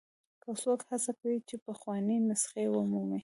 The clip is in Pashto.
که څوک هڅه کوي چې پخوانۍ نسخې ومومي.